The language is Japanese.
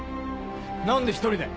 何で１人で！